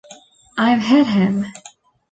I've hit him.